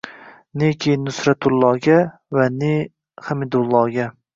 Neki Nusratulloga, va ne Hamidulloga